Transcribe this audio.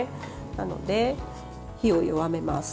なので、火を弱めます。